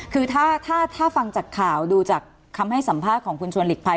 คือถ้าฟังจากข่าวดูจากคำให้สัมภาษณ์ของคุณชวนหลีกภัย